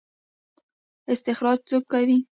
استخراج څوک کوي؟